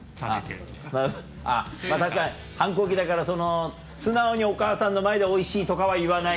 あっ確かに反抗期だから素直にお母さんの前で「おいしい」とかは言わない？